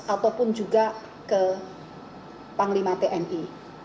ataupun juga ke panglima tni